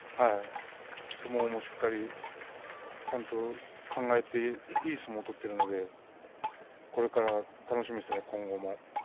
相撲をしっかり考えていい相撲を取っているのでこれから楽しみですね、今後も。